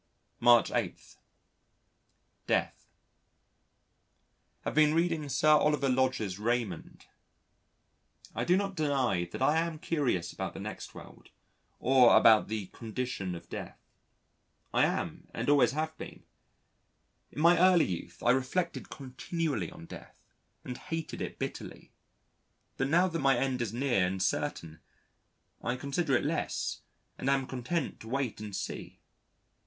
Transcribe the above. March 8. Death Have been reading Sir Oliver Lodge's Raymond. I do not deny that I am curious about the next world, or about the condition of death. I am and always have been. In my early youth, I reflected continually on death and hated it bitterly. But now that my end is near and certain, I consider it less and am content to wait and see.